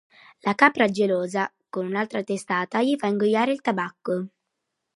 La capra gelosa, con un'altra testata, gli fa ingoiare il tabacco.